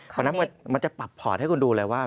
เพราะฉะนั้นมันจะปรับพอร์ตให้คุณดูเลยว่า